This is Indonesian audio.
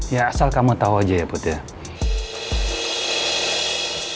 ya asal kamu tau aja ya putri